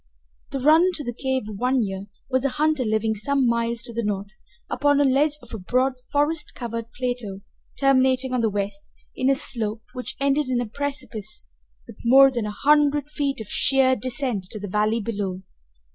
The runner to the cave of One Ear was a hunter living some miles to the north, upon a ledge of a broad forest covered plateau terminating on the west in a slope which ended in a precipice with more than a hundred feet of sheer descent to the valley below.